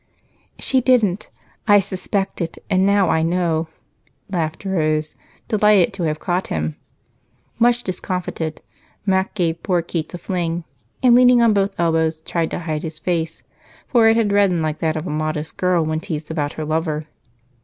"She didn't. I suspected, and now I know," laughed Rose, delighted to have caught him. Much discomfited, Mac gave poor Keats a fling and, leaning on both elbows, tried to hide his face for it had reddened like that of a modest girl when teased about her lover.